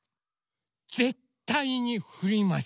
ぜったいにふります。